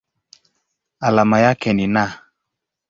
Alama yake ni Na.